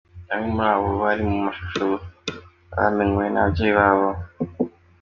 Bamwe muri abo bari mu mashusho bamenywe n'ababyeyi babo.